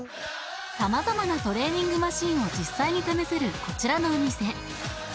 様々なトレーニングマシンを実際に試せるこちらのお店